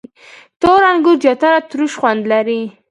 • تور انګور زیاتره تروش خوند لري.